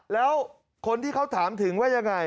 แล้วคนที่เขาถามถึงว่ายังไง